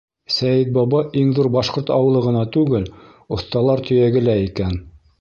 Сәйетбаба иң ҙур башҡорт ауылы ғына түгел, оҫталар төйәге лә икән.